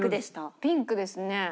ピンクですね。